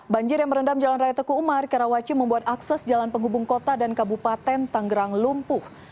banjir yang merendam jalan raya teku umar karawaci membuat akses jalan penghubung kota dan kabupaten tanggerang lumpuh